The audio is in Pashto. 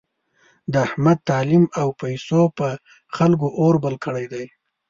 د احمد تعلیم او پیسو په خلکو اور بل کړی دی.